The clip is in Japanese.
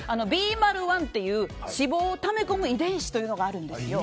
１という脂肪をため込む遺伝子というのがあるんですけど。